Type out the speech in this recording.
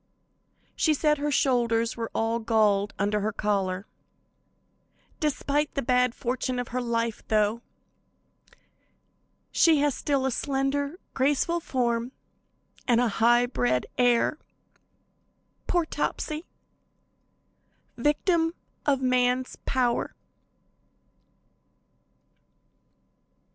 She said her shoulders were all galled under her collar. Despite the bad fortune of her life, though, she has still a slender, graceful form and a high bred air. Poor Topsy! Victim of man's power!